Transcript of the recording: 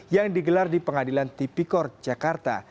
yang digelar di pengadilan tipikor jakarta